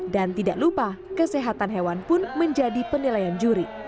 dan tidak lupa kesehatan hewan pun menjadi penelayan juri